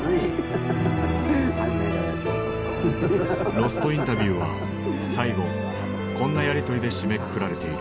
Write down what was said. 「ロスト・インタビュー」は最後こんなやり取りで締めくくられている。